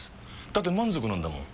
だって満足なんだもん。